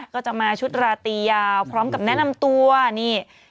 ก็จะมาชุดราตียาวพร้อมกับแนะนำตัวนี่